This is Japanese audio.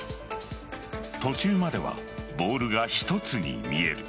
途中まではボールが１つに見える。